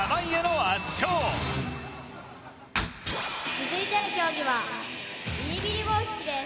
続いての競技はビリビリ棒引きです